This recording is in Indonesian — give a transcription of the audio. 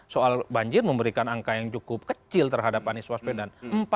soal banjir memberikan angka yang cukup kecil terhadap anies waspedan